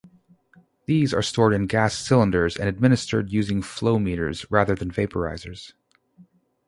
These are stored in gas cylinders and administered using flowmeters, rather than vaporisers.